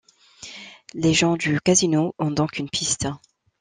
Les gens du casino ont donc une piste.